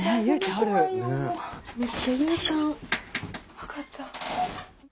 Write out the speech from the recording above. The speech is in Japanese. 分かった。